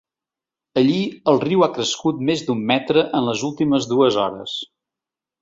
Allí el riu ha crescut més d’un metre en les últimes dues hores.